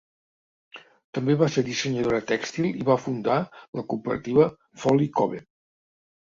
També va ser dissenyadora tèxtil i va fundar la cooperativa Folly Cove.